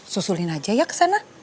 susulin aja ya kesana